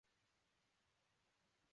李澄玉官至咸吉道都节制使。